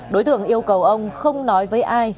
đối tượng yêu cầu ông không nói với ai